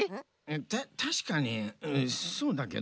たしかにそうだけどよう。